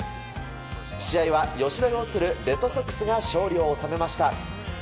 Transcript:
試合は吉田擁するレッドソックスが勝利を収めました。